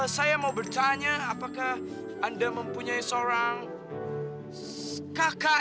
saya mau bertanya apakah anda mempunyai seorang kakak